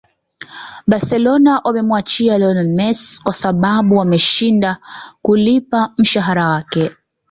barcelona wamemuachia lionel messi kwa sababu wameshinda kulipa mshahala wake